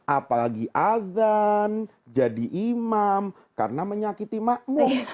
apalagi azan jadi imam karena menyakiti makmum